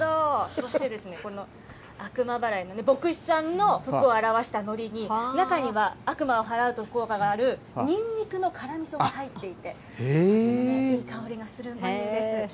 そしてこの悪魔祓いも牧師さんの服を表したのりに、中には悪魔を払うと効果があるニンニクの辛みそが入っていて、いい香りがするんです。